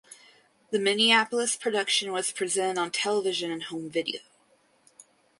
The Minneapolis production was presented on television and home video.